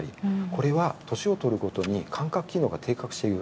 これは年を取るごとに感覚機能が低下している。